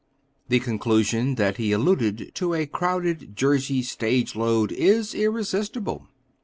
the conclusion that he alluded to a crowded Jersey stage load is irresistible.